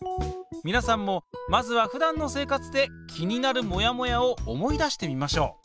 みなさんもまずはふだんの生活で気になるモヤモヤを思い出してみましょう。